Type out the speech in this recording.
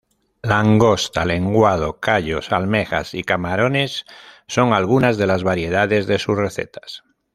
Langosta, lenguado, callos, almejas y camarones son algunas de las variedades de sus recetas.